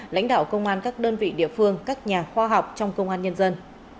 lãnh đạo công an các đơn vị địa phương các nhà khoa học trong công an nhân dân